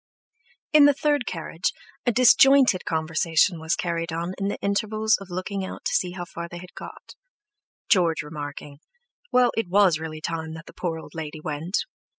In the third carriage a disjointed conversation was carried on in the intervals of looking out to see how far they had got, George remarking, "Well, it was really time that the poor old lady went."